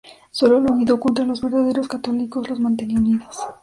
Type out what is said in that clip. Solo el odio contra los verdaderos católicos, los mantenía unidos.